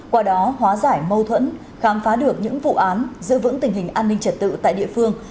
qua đó hóa giải mâu thuẫn khám phá được những vụ án giữ vững tình hình an ninh trật tự tại địa phương